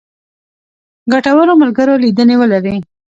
ګټورو ملګرو لیدنې ولرئ.